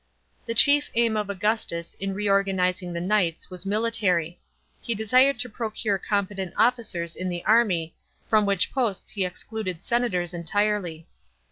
The chief aim of Augustus in reorganising the knights was military. He desired to procure competent officers in the army, from which posts he excluded senators entirely.